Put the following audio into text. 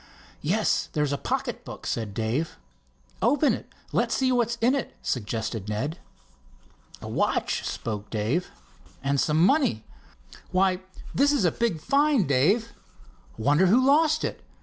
"Yes, there's a pocket book," said Dave. "Open it—let's see what's in it," suggested Ned. "A watch," spoke Dave. "And some money. Why, this is a big find, Dave! Wonder who lost it?